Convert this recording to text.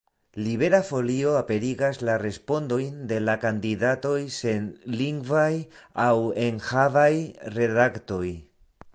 Libera Folio aperigas la respondojn de la kandidatoj sen lingvaj aŭ enhavaj redaktoj.